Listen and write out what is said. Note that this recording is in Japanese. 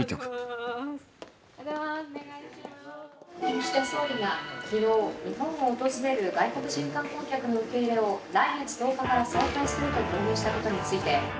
「岸田総理が昨日日本を訪れる外国人観光客の受け入れを来月１０日から再開すると表明したことについて」。